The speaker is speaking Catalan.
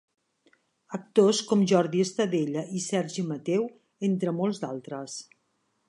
Actors com Jordi Estadella i Sergi Mateu, entre molts d'altres.